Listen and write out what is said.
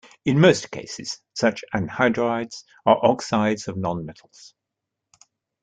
In most cases, such anhydrides are oxides of nonmetals.